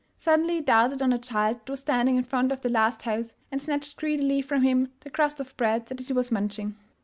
Suddenly he darted on a child that was standing in front of the last house, and snatched greedily from him the crust of bread that he was munching.